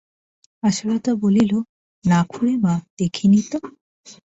আশালতা বলিল, না খুড়িমা, দেখিনি তো।